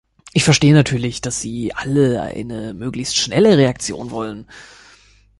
Ich verstehe natürlich, dass Sie alle eine möglichst schnelle Reaktion wollen.